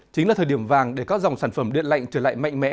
chính là thời điểm vàng để các dòng sản phẩm điện lạnh trở lại mạnh mẽ